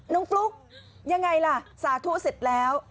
ฟลุ๊กยังไงล่ะสาธุเสร็จแล้ว